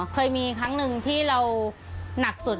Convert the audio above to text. เคยมีครั้งหนึ่งที่เราหนักสุด